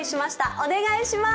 お願いしまーす。